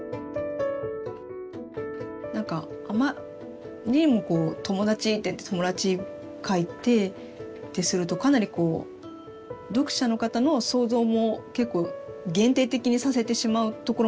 何かあまりにも友達っていって友達描いてってするとかなりこう読者の方の想像も結構限定的にさせてしまうところもあるのかな。